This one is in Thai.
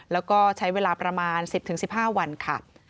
แล้วก็ใช้เวลาประมาณ๑๐๑๕วันค่ะ